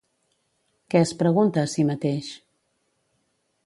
Què es pregunta a si mateix?